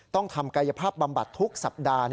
ต้องทำกายภาพบำบัดทุกสัปดาห์